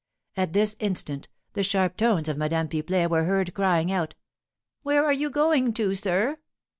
At this instant, the sharp tones of Madame Pipelet were heard crying out, "Where are you going to, sir?"